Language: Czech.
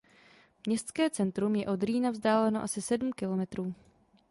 Městské centrum je od Rýna vzdáleno asi sedm kilometrů.